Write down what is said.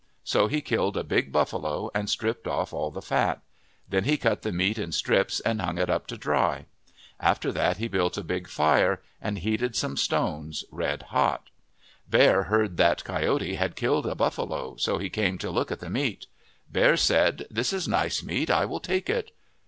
So he killed a big buffalo and stripped off all the fat. Then he cut the meat in strips and hung it up to dry. After that he built a big fire and heated some stones red hot. Bear heard that Coyote had killed a buffalo, so he came to look at the meat. Bear said, " This is nice meat. I will take it."